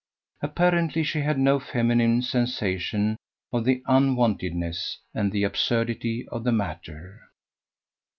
Apparently she had no feminine sensation of the unwontedness and the absurdity of the matter!